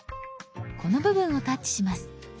この部分をタッチします。